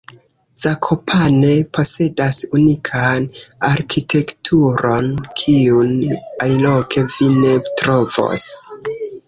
Zakopane posedas unikan arkitekturon, kiun aliloke vi ne trovos.